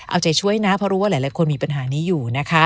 เอาใจช่วยนะเพราะรู้ว่าหลายคนมีปัญหานี้อยู่นะคะ